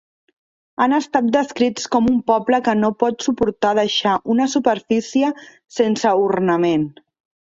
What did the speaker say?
Han estat descrits com un poble que no pot suportar deixar una superfície sense ornament.